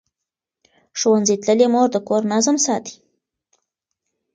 ښوونځې تللې مور د کور نظم ساتي.